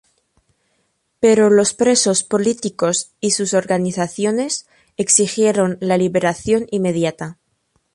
Pero los presos políticos y sus organizaciones, exigieron la liberación inmediata.